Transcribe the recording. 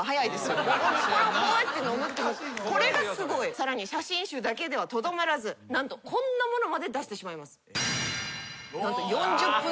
さらに写真集だけではとどまらず何とこんなものまで出してしまいます。